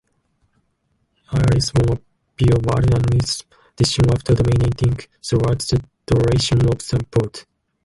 Isley won via wide unanimous decision after dominating throughout the duration of the bout.